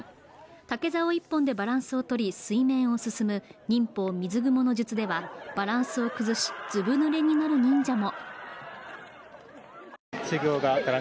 竹ざお１本でバランスをとり、水面を進む忍法水ぐもの術ではバランスを崩しずぶぬれになる忍者も。